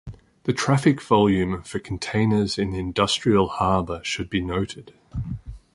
The traffic volume for containers in the industrial harbour should be noted.